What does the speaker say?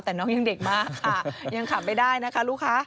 แต่น้องยังเด็กมากค่ะยังขับไม่ได้นะคะลูกค้า